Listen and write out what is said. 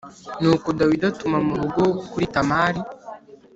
Nuko Dawidi atuma mu rugo kuri Tamari